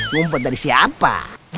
ngumpet dari siapa